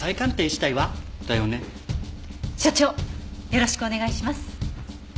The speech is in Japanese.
よろしくお願いします。